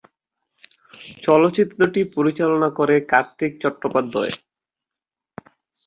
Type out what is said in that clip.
চলচ্চিত্রটি পরিচালনা করে কার্তিক চট্টোপাধ্যায়।